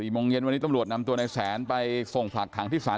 โมงเย็นวันนี้ตำรวจนำตัวในแสนไปส่งฝากขังที่ศาล